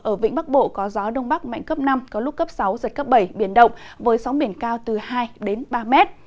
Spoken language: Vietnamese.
ở vĩnh bắc bộ có gió đông bắc mạnh cấp năm có lúc cấp sáu giật cấp bảy biển động với sóng biển cao từ hai ba m